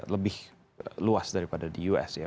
lebih luas daripada di us ya